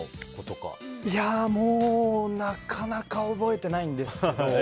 いや、もうなかなか覚えてないんですけど。